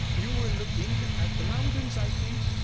'You were looking at the mountains, I think?